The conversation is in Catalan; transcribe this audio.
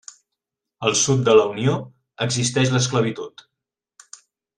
Al Sud de la Unió, existeix l'esclavitud.